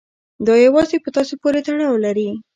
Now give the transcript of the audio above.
دا يوازې په تاسې پورې تړاو لري.